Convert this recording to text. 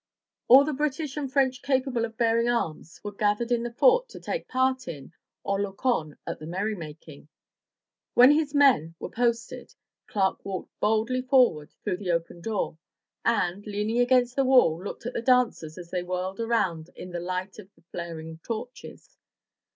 All the British and French capable of bearing arms were gathered in the fort to take part in or look on at the merrymaking. When his men were posted Clark walked boldly forward through the open door, and, leaning against the wall, looked at the dancers as they whirled around in the light of the flaring torches.